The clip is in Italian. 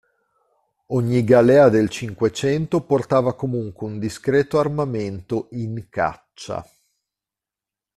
Ogni galea del Cinquecento portava comunque un discreto armamento "in caccia".